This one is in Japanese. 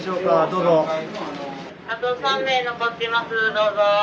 どうぞ。